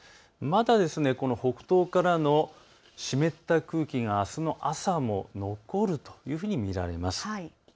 まだ北東からの湿った空気があすの朝も残ると見られます。